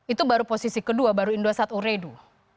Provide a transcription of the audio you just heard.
itu baru posisi kedua baru indosat uredu